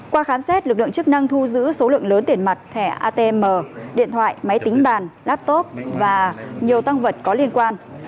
qua khám xét lực lượng chức năng thu giữ số lượng lớn tiền mặt thẻ atm điện thoại máy tính bàn laptop và nhiều tăng vật có liên quan